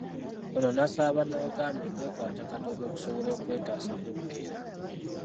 Ono n'asaba bannayuganda okwekwata Katonda okusobola okwetaasa ku mbeera.